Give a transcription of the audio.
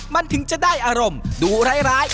มันถึงจะได้อารมณ์ดูร้ายให้กลัว